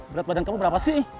berat badan kamu berapa sih